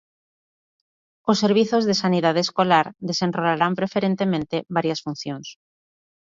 Os servizos de sanidade escolar desenrolarán preferentemente varias funcións.